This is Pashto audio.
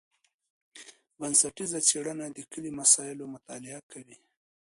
بنسټیزه څېړنه د کلي مسایلو مطالعه کوي.